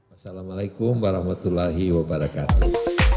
assalamualaikum warahmatullahi wabarakatuh